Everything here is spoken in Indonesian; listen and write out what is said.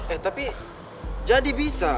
eh tapi jadi bisa